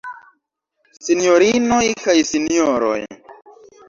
Sinjorinoj kaj Sinjoroj!